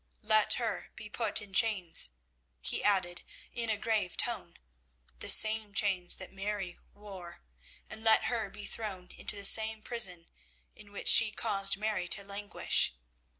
'Let her be put in chains,' he added, in a grave tone, 'the same chains that Mary wore, and let her be thrown into the same prison in which she caused Mary to languish.